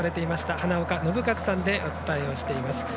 花岡伸和さんでお伝えをしています。